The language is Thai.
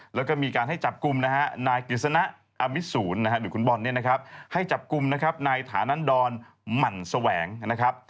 แล้วก็มีการให้จับกลุ่มนะฮะนายกฤษณะอมิสูรหรือคุณบอลเนี่ยนะครับให้จับกลุ่มนะครับนายฐานันดรหมั่นแสวงนะครับ